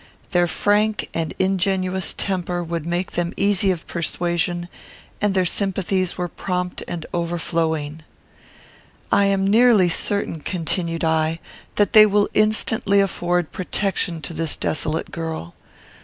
Their frank and ingenuous temper would make them easy of persuasion, and their sympathies were prompt and overflowing. "I am nearly certain," continued I, "that they will instantly afford protection to this desolate girl.